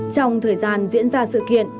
trong thời gian diễn ra sự kiện